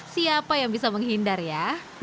siapa yang bisa menghindar ya